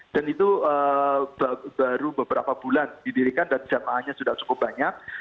itu baru beberapa bulan didirikan dan jamaahnya sudah cukup banyak